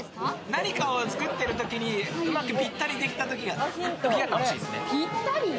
何かを作ってるときに、うまくぴったりできたときが楽しいですね。